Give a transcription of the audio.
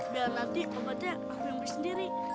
biar nanti obatnya aku ambil sendiri